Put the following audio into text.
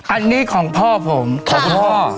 อันนี้ของพ่อผมของคุณพ่อ